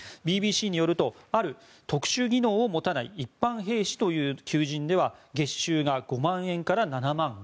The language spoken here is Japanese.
ＢＢＣによるとある特殊技能を持たない一般兵士の求人というものでは月収が５万円から７万５０００円